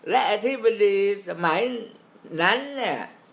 และอธิบดีสมัยนั้นเนี่ย